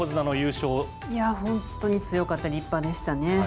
いや本当に強かった、立派でしたね。